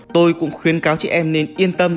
tôi cũng khuyên cáo chị em nên yên tâm